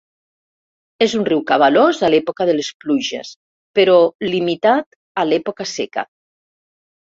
És un riu cabalós a l'època de les pluges, però limitat a l'època seca.